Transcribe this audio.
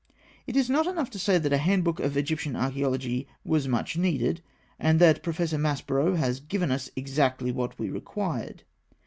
It is not enough to say that a handbook of Egyptian Archaeology was much needed, and that Professor Maspero has given us exactly what we required.